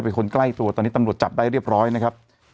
เป็นคนใกล้ตัวตอนนี้ตำรวจจับได้เรียบร้อยนะครับ